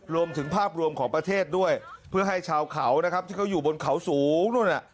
รวมถึงภาพรวมของประเทศด้วยเพื่อให้ชาวเขานะครับที่เขาอยู่บนเขาสูงนู่นน่ะ